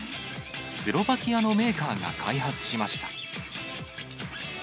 スロバキアのメーカーが開発しました。